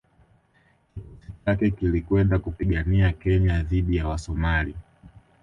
Kikosi chake kilikwenda kupigania Kenya dhidi ya Wasomali